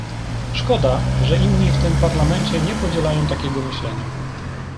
Szkoda, że inni w tym Parlamencie nie podzielają takiego myślenia